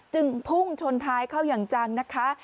จึงพุ่งชนท้ายเข้าอย่างจังนะคะ